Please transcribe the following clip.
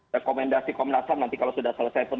rekomendasi komnasam nanti kalau sudah selesai pun